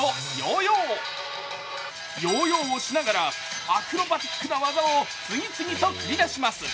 ヨーヨーをしながらアクロバティックな技を次々と繰り出します。